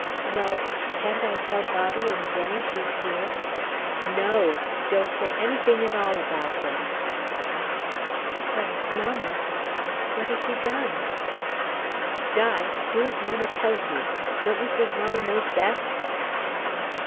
"Well, can't I tell Bobby and Jenny she's here?" "No. Don't say anything at all about her." "But, mamma. What has she done?" "Di! Do as mamma tells you. Don't you think mamma knows best?"